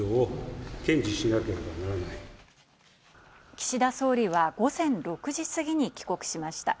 岸田総理は午前６時過ぎに帰国しました。